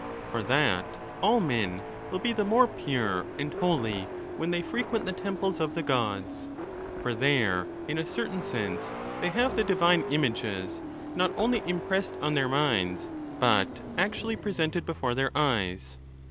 For that all men will be the more pure and holy when they frequent the temples of the gods, for there, in a certain sense, they have the divine images, not only impressed on their minds, but actually presented before their eyes.